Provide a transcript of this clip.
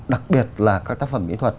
đặc biệt là các tác phẩm mỹ thuật